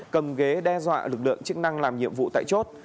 cầm ghế đe dọa lực lượng chức năng làm nhiệm vụ tại chốt